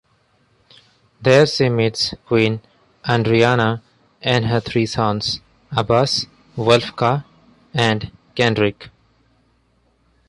There she meets Queen Andreanna and her three sons, Abas, Wulfgar, and Kenric.